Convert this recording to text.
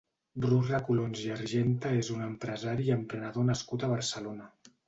Bru Recolons i Argente és un empresari i emprenedor nascut a Barcelona.